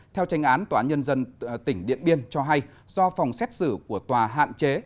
theo tranh án tòa án nhân dân tỉnh điện biên cho hay do phòng xét xử của tòa hạn chế